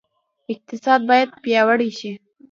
اقتصاد باید پیاوړی شي